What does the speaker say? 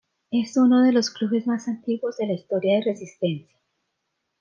Es uno de los clubes más antiguos de la historia de Resistencia.